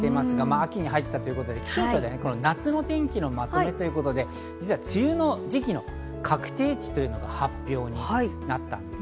秋に入ったということで、気象庁で夏の天気のまとめということで、梅雨の時期の確定値が発表されました。